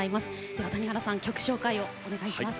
では谷原さん曲紹介をお願いします。